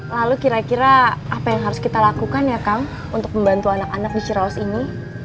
lalu kira kira apa yang harus kita lakukan ya kang untuk membantu anak anak di cirawas ini